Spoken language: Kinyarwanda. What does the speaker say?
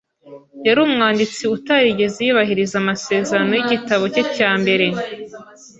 Yari umwanditsi utarigeze yubahiriza amasezerano y’igitabo cye cya mbere.